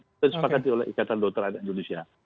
itu disepakati oleh ikatan dokter anak indonesia